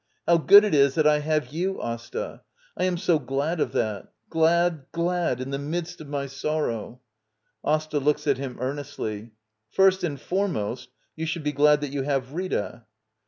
] How good it is that I have you, Asta. I am so glad of that. Glad, glad — in the midst of my sorrow. Asta. [Looks at him earnestly.] First and foremost, you should be glad that you have Rita.